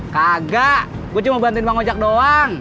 kagak gue cuma bantuin bang ojek doang